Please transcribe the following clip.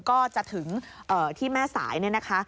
ก็จะถึงที่แม่สายเนี่ยนะคะ